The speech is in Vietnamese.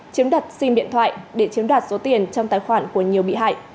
chiếm đặt xin điện thoại để chiếm đặt số tiền trong tài khoản của nhiều bị hại